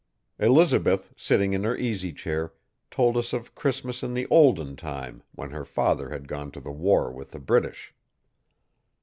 Elizabeth, sitting in her easy chair, told of Christmas in the olden time when her father had gone to the war with the British.